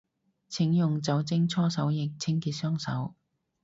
請用酒精搓手液清潔雙手